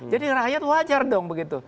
jadi rakyat wajar dong begitu